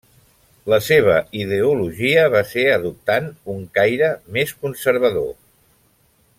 La seva ideologia va ser adoptant un caire més conservador.